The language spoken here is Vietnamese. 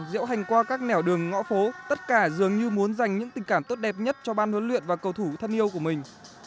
diễu hành qua các nẻo đường ngõ phố tất cả dường như muốn dành những tình cảm tốt đẹp nhất cho ban huấn luyện và cầu thủ thân yêu của mình